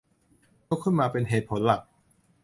ยกขึ้นมาเป็นเหตุผลหลัก